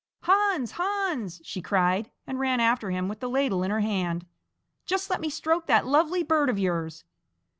"Hans, Hans!" she cried, and ran after him with the ladle in her hand; "just let me stroke that lovely bird of yours."